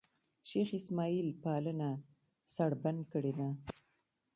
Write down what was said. شېخ اسماعیل پالنه سړبن کړې ده.